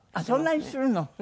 そんなにするの？